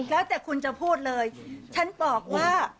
แล้วแต่คุณจะพูดเลยฉันบอกว่า